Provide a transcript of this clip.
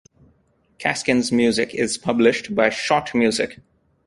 Casken's music is published by Schott Music.